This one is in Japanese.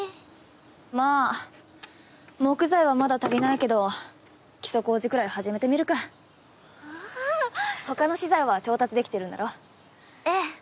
まあ木材はまだ足りないけど基礎工事くらい始めてみるか（ふゆゆほかの資材は調達できてるんええ。